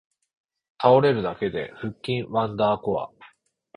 倒れるだけで腹筋ワンダーコア